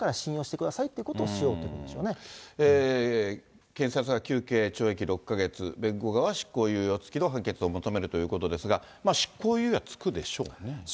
だから信用してくださいってことをしよ検察は休憩、懲役６か月、弁護側は執行猶予付きの判決を求めるということですが、執行猶予はつくでしょうね。